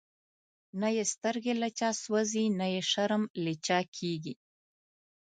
نه یی سترگی له چا سوځی، نه یی شرم له چا کیږی